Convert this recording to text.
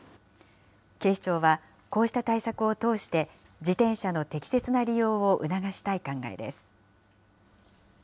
警視庁は、こうした対策を通して、自転車の適切な利用を促したい考えです。